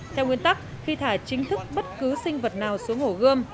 theo nguyên tắc khi thả chính thức bất cứ sinh vật nào xuống hồ gươm